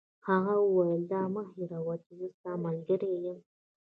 هغه وویل: دا مه هیروئ چي زه ستا ملګری یم.